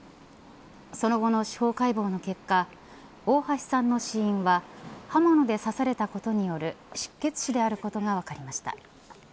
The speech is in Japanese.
その後の司法解剖の結果大橋さんの死因は刃物で刺されたことによる失血死であることが分かりました。